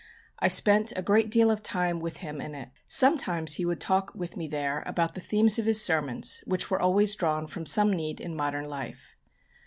I spent a great deal of time with him in it. Sometimes he would talk with me there about the themes of his sermons which were always drawn from some need in modern life.